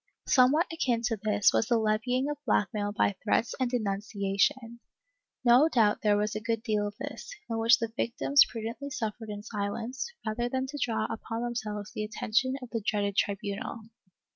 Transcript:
Somewhat akin to this was the levying of blackmail by threats of denunciation. No doubt there was a good deal of this, in which the victims prudently suffered in silence, rather than to draw upon themselves the attention of the dreaded tribunal.